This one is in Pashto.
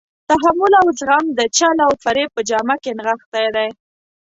تحمل او زغم د چل او فریب په جامه کې نغښتی دی.